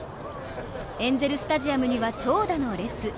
エンゼル・スタジアムには長蛇の列。